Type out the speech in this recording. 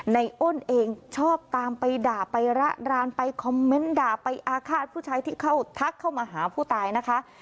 ในอ้นเองชอบตามไปด่าไประรานไปคอมเมนต์ด่าไปอาฆาตผู้ชายที่เข้าทักเข้ามาหาผู้ตายนะคะ